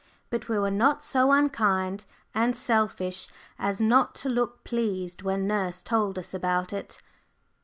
But we were not so unkind and selfish as not to look pleased when nurse told us about it.